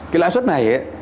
cái lãi suất này ấy